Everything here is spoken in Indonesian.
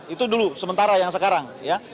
itu dulu sementara yang sekarang ya